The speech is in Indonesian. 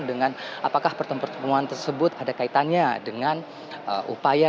dengan apakah pertemuan pertemuan tersebut ada kaitannya dengan upaya